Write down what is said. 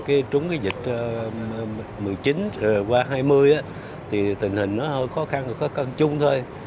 cái trúng cái dịch một mươi chín qua hai mươi thì tình hình nó hơi khó khăn và khó khăn chung thôi